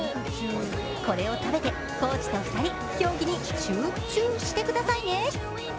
これを食べてコーチと２人、競技に集チュウしてくださいね。